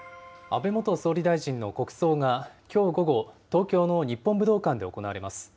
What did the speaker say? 安倍元総理大臣の国葬が、きょう午後、東京の日本武道館で行われます。